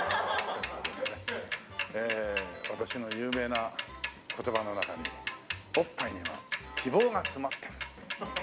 ええ私の有名な言葉の中に「おっぱいには希望が詰まってる」。